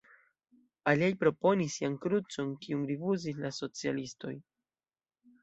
Aliaj proponis ian krucon, kiun rifuzis la socialistoj.